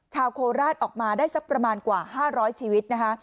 โคราชออกมาได้สักประมาณกว่า๕๐๐ชีวิตนะคะ